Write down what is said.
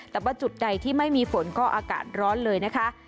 แต่ว่าจุดใดที่ไม่มีฝนก็อากาศร้อนเลยนะคะ